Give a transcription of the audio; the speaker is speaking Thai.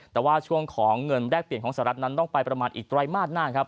แต่ว่าช่วงของเงินแรกเปลี่ยนของสหรัฐนั้นต้องไปประมาณอีกไตรมาสหน้าครับ